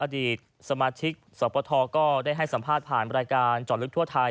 อดีตสมาชิกสปทก็ได้ให้สัมภาษณ์ผ่านรายการจอดลึกทั่วไทย